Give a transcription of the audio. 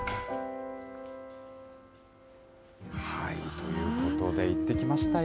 ということで、行ってきましたよ。